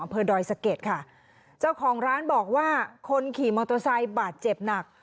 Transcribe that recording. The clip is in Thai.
ดอยสะเก็ดค่ะเจ้าของร้านบอกว่าคนขี่มอเตอร์ไซค์บาดเจ็บหนัก